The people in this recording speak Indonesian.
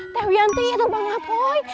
tewi anti itu bang apuy